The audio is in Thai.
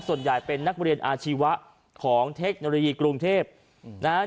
ส่วนใหญ่เป็นนักเรียนอาชีวะของเทคโนโลยีกรุงเทพนะฮะ